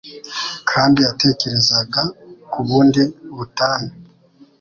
kandi yatekerezaga ku bundi butane